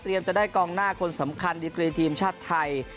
เตรียมจะได้กองหน้าคนสำคัญดินกรียมทีมชาติไทย